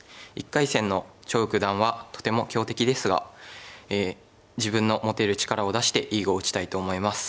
１回戦の張栩九段はとても強敵ですが自分の持てる力を出していい碁を打ちたいと思います。